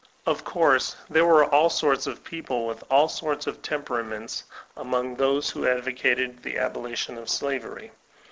Of course, there were all sorts of people with all sorts of temperaments among those who advocated the aboli tion of slavery.